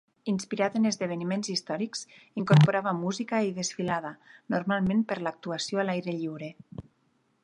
Inspirat en esdeveniments històrics, incorporava música i desfilada, normalment per a l'actuació a l'aire lliure.